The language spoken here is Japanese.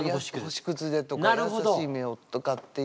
「星屑で」とか「優しい瞳を」とかっていう。